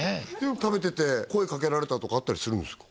食べてて声かけられたとかあったりするんですか？